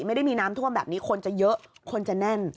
ไม่ได้มีน้ำท่วมแบบนี้คนจะเยอะคนจะแน่น